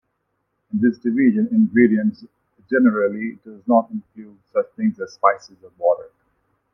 In this division, "ingredients" generally does not include such things as spices and water.